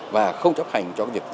và không chấp hành